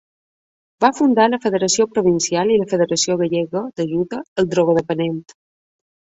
Va fundar la Federació Provincial i la Federació Gallega d'Ajuda al Drogodependent.